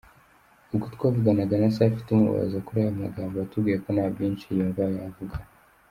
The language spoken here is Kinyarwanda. Ubwo twavuganaga na Safi tumubaza kuri aya magambo, yatubwiye ko nta byinshi yumva yayavugaho.